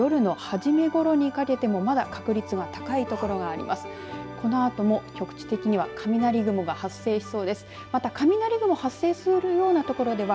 このあとも局地的には雷雲が発生しそうです。